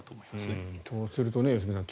そうなると良純さん